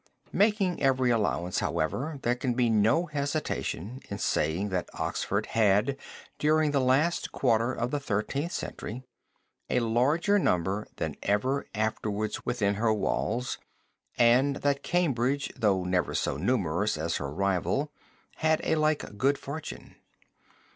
Making every allowance, however, there can be no hesitation in saying that Oxford had during the last quarter of the Thirteenth Century a larger number than ever afterwards within her walls and that Cambridge, though never so numerous as her rival, had a like good fortune.